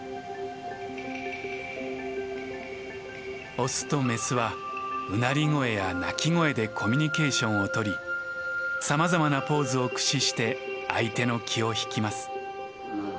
オスとメスはうなり声や鳴き声でコミュニケーションをとりさまざまなポーズを駆使して相手の気を引きます。